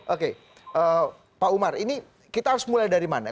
oke pak umar ini kita harus mulai dari mana